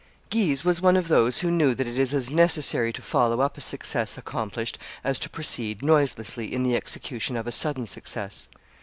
Guise was one of those who knew that it is as necessary to follow up a success accomplished as to proceed noiselessly in the execution of a sudden success.